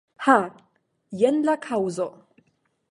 Ha, jen la kaŭzo.